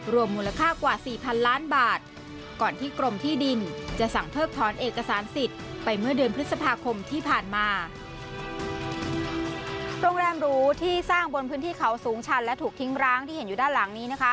โรงแรมหรูที่สร้างบนพื้นที่เขาสูงชันและถูกทิ้งร้างที่เห็นอยู่ด้านหลังนี้